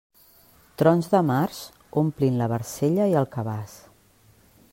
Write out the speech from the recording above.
Trons de març omplin la barcella i el cabàs.